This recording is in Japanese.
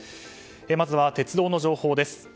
まずは鉄道の情報です。